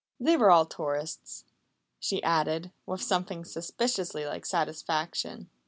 "They were all tourists," she added with something suspiciously like satisfaction.